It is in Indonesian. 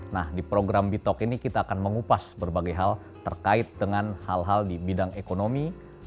nah di program bitok ini kita akan mengupas berbagai hal terkait dengan hal hal di bidang ekonomi